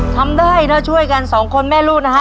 ทำได้ถ้าช่วยกัน๒คนแม่ลูกนะคะ